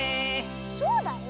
そうだよ。